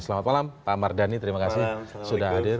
selamat malam pak mardhani terima kasih sudah hadir